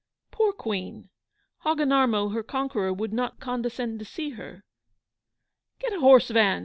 Poor Queen! Hogginarmo, her conqueror, would not condescend to see her. 'Get a horse van!